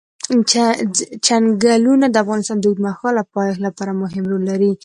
چنګلونه د افغانستان د اوږدمهاله پایښت لپاره مهم رول لري.